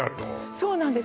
そうなんです